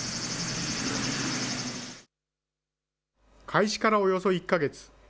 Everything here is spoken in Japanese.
開始からおよそ１か月。